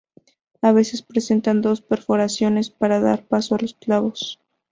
A veces presentan dos perforaciones para dar paso a los clavos.